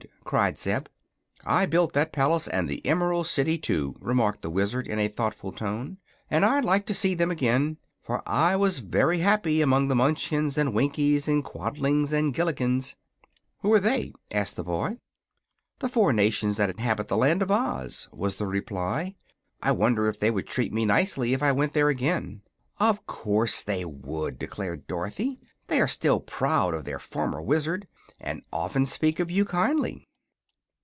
cried Zeb. "I built that palace, and the Emerald City, too," remarked the Wizard, in a thoughtful tone, "and I'd like to see them again, for I was very happy among the Munchkins and Winkies and Quadlings and Gillikins." "Who are they?" asked the boy. "The four nations that inhabit the Land of Oz," was the reply. "I wonder if they would treat me nicely if I went there again." "Of course they would!" declared Dorothy. "They are still proud of their former Wizard, and often speak of you kindly."